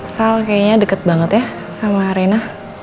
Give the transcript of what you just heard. sal kayaknya deket banget ya sama arena